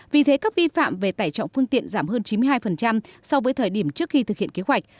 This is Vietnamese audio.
vì thế các vi phạm về tải trọng phương tiện giảm hơn chín mươi hai so với thời điểm trước khi thực hiện kế hoạch